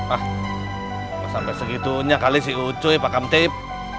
ah gak sampai segitunya kali si ucuy pak kamtip